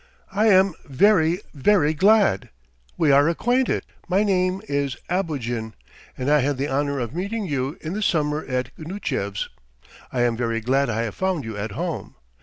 "I am very ... very glad! We are acquainted. My name is Abogin, and I had the honour of meeting you in the summer at Gnutchev's. I am very glad I have found you at home.